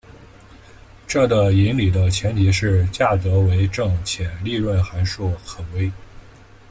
这个引理的前提是价格为正且利润函数可微。